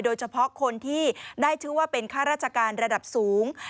โดยเฉพาะคนที่ได้ชื่อว่าเป็นค่าราชการระดับสูง